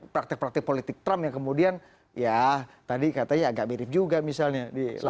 praktek praktik politik trump yang kemudian ya tadi katanya agak mirip juga misalnya